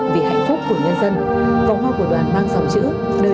vì hạnh phúc của nhân dân vòng hoa của đoàn mang dòng chữ đời đời nhớ ơn các anh hùng liên sĩ